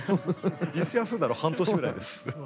実際休んだの半年ぐらいです。